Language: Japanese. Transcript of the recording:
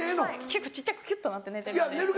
結構小っちゃくキュっとなって寝てるので。